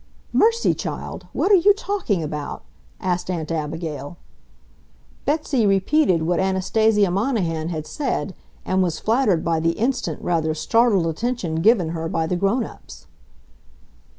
"Mercy, child! what are you talking about?" asked Aunt Abigail. Betsy repeated what Anastasia Monahan had said, and was flattered by the instant, rather startled attention given her by the grown ups.